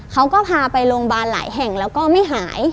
เขาก็พาไปโรงพยาบาลหลายแห่งแล้วก็ไม่หาย